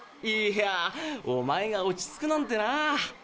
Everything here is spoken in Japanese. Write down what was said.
いやおまえが落ち着くなんてな。